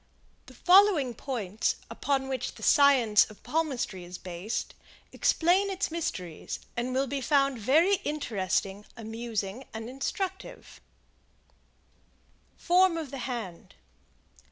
] The following points, upon which the Science of Palmistry is based, explain its mysteries, and will be found very interesting, amusing and instructive: Form of the Hand.